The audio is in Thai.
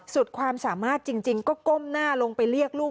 สุดความสามารถจริงก็ก้มหน้าลงไปเรียกลูก